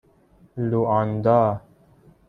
لوآندا